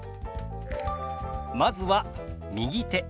まずは「右手」。